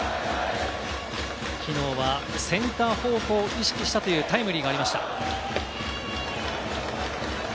きのうはセンター方向を意識したというタイムリーがありました。